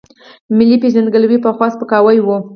ملي پېژندګلوۍ پخوا سپکاوی و.